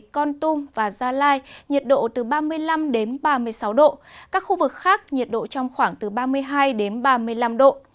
con tum và gia lai nhiệt độ từ ba mươi năm ba mươi sáu độ các khu vực khác nhiệt độ trong khoảng từ ba mươi hai đến ba mươi năm độ